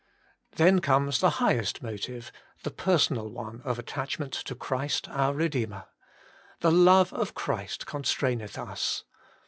Then comes the highest motive, the per sonal one of attachment to Christ our Re deemer :' The love of Christ constraineth us.'